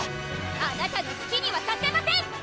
あなたのすきにはさせません！